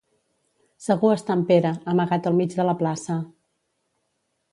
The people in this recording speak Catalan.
Segur està en Pere, amagat al mig de la plaça.